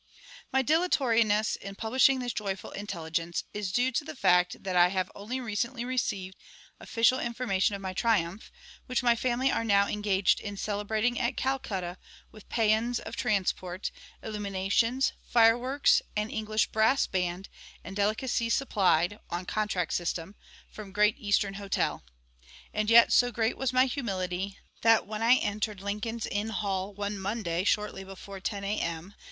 "] My dilatoriness in publishing this joyful intelligence is due to fact that I have only recently received official information of my triumph, which my family are now engaged in celebrating at Calcutta with pæans of transport, illuminations, fireworks, an English brass band, and delicacies supplied (on contract system) from Great Eastern Hotel. And yet so great was my humility that, when I entered Lincoln's Inn Hall one Monday shortly before 10 A.M.